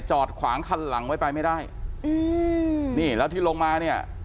จอดขวางคันหลังไว้ไปไม่ได้อืมนี่แล้วที่ลงมาเนี่ย